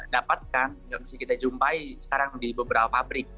dapatkan yang bisa kita jumpai sekarang di beberapa pabrik